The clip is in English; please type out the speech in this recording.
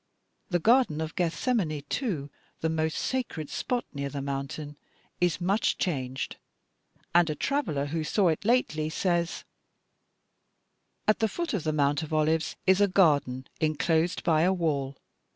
The Garden of Gethsemane, too, the most sacred spot near the mountain, is much changed, and a traveler who saw it lately says: "'At the foot of the Mount of Olives is a garden enclosed by a wall.